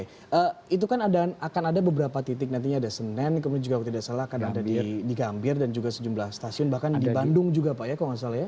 jadi nanti akan ada beberapa titik nantinya ada senen kemudian juga kalau tidak salah akan ada di gambir dan juga sejumlah stasiun bahkan di bandung juga pak ya kalau gak salah ya